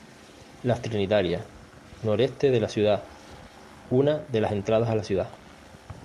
Las Trinitarias, Noreste de la ciudad, una de las entradas a la ciudad.